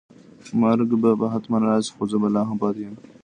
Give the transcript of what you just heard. مرګ به حتماً راشي خو زه به لا هم پاتې یم.